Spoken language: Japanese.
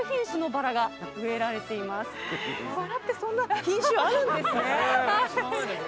バラってそんな品種あるんですね。